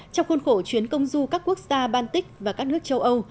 trong khuôn khổ chuyến công du các quốc gia baltic và các nước châu âu